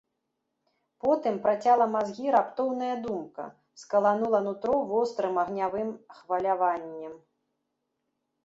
Потым працяла мазгі раптоўная думка, скаланула нутро вострым агнявым хваляваннем.